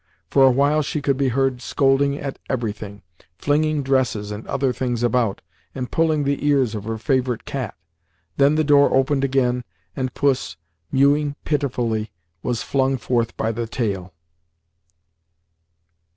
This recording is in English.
For a while she could be heard scolding at everything, flinging dresses and other things about, and pulling the ears of her favourite cat. Then the door opened again, and puss, mewing pitifully, was flung forth by the tail.